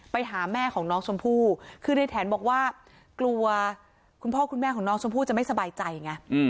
ไปหาแม่ของน้องชมพู่คือในแถนบอกว่ากลัวคุณพ่อคุณแม่ของน้องชมพู่จะไม่สบายใจไง